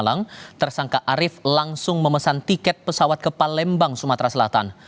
tersangka arief langsung memesan tiket pesawat ke palembang sumatera selatan